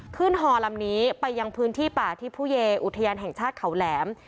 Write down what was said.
ฮอลำนี้ไปยังพื้นที่ป่าที่ผู้เยอุทยานแห่งชาติเขาแหลม